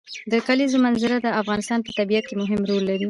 د کلیزو منظره د افغانستان په طبیعت کې مهم رول لري.